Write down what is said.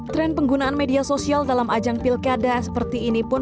tren penggunaan media sosial dalam ajang pilkada seperti ini pun